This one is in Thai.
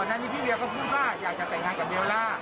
ตอนนั้นพี่เวียก็พิสุฟากาลอยากแต่งงานกับเบลลาร์